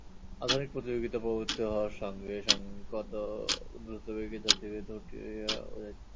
আধুনিক প্রতিযোগিতা প্রবর্তিত হওয়ার সঙ্গে সঙ্গে কত দ্রুতবেগে জাতিভেদ উঠিয়া যাইতেছে।